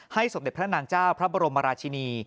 สมเด็จพระนางเจ้าพระบรมราชินี